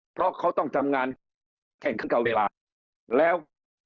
เพราะเขาต้องทำงานแข่งกับเวลาแล้ว